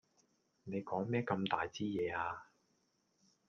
你講咩咁大枝野呀？